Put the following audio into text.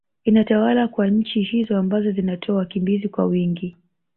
inatawala kwa nchi hizo ambazo zinatoa wakimbizi kwa wingi